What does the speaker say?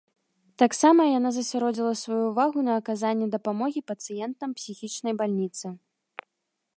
Таксама яна засяродзіла сваю ўвагу на аказанні дапамогі пацыентам псіхічнай бальніцы.